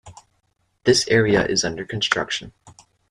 This area is under construction.